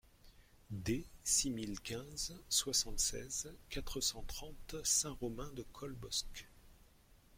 D six mille quinze, soixante-seize, quatre cent trente Saint-Romain-de-Colbosc